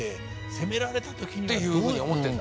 攻められた時には。っていうふうに思ってた？